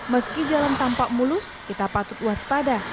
meski jalan tampak mulus kita patut waspada